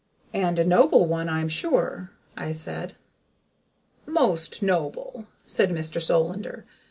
"And a noble one, I'm sure," I said. "Most noble," said Mr. Solander.